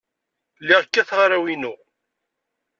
Lliɣ kkateɣ arraw-inu.